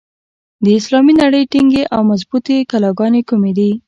د اسلامي نړۍ ټینګې او مضبوطي کلاګانې کومي دي؟